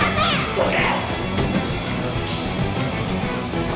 どけ！